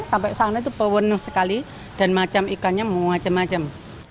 sampai sana itu pewenuh sekali dan macam ikannya macam macam